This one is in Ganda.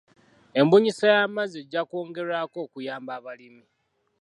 Embunyisa y'amazzi ejja kwongerwako okuyamba abalimi.